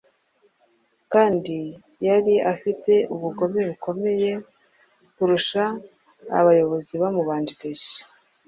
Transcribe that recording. kandi yari afite ubugome bukomeye kurusha abayobozi bamubanjirije.